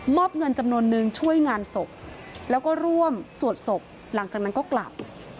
อบเงินจำนวนนึงช่วยงานศพแล้วก็ร่วมสวดศพหลังจากนั้นก็กลับ